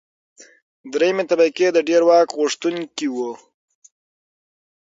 درېیمې طبقې د ډېر واک غوښتونکي وو.